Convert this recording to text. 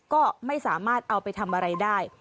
ก็ไม่สามารถเอาไปทำอะไรได้